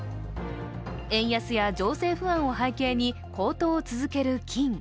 円安や情勢不安を背景に高騰を続ける金。